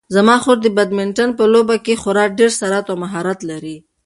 زما خور د بدمینټن په لوبه کې خورا ډېر سرعت او مهارت لري.